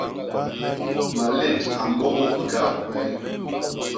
Malét a mbôgôs bikaat gwéé.